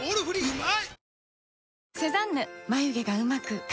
うまい！